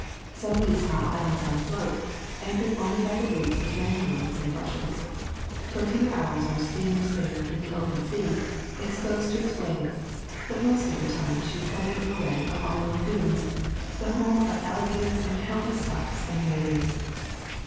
Some of these small islands are afloat, anchored only by the roots of mangroves and rushes. For a few hours our steamer sailed in the open sea, ex posed to its waves, but most of the time she threaded her way among the lagoons, the [ 86 ] Florida Swamps and Forests home of alligators and countless ducks and waders.